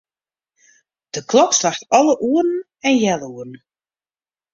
De klok slacht alle oeren en healoeren.